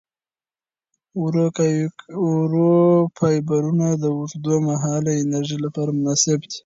ورو فایبرونه د اوږدمهاله انرژۍ لپاره مناسب دي.